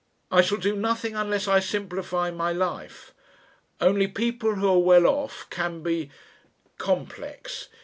I shall do nothing unless I simplify my life. Only people who are well off can be complex.